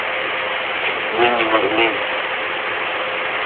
Мы не могли.